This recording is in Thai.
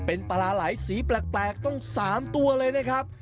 เป็นปลาไหลสีแปลกต้อง๓ตัวเลยนะครับ